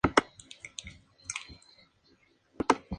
Es nativa del suroeste y extremo sur del Cono Sur sudamericano.